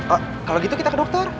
oh kalau gitu kita ke dokter